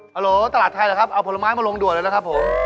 โหลตลาดไทยเหรอครับเอาผลไม้มาลงด่วนเลยนะครับผม